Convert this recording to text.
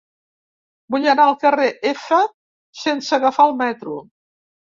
Vull anar al carrer F sense agafar el metro.